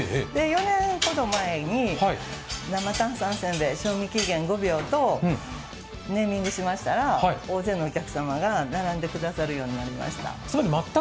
４年ほど前になま炭酸せんべい賞味期限５秒とネーミングしましたら大勢のお客様が並んでくださるようになりました。